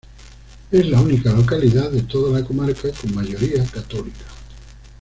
Es la única localidad de toda la comarca con mayoría católica.